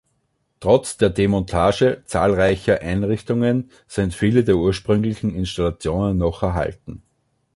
Trotz der Demontage zahlreicher Einrichtungen sind viele der ursprünglichen Installationen noch erhalten.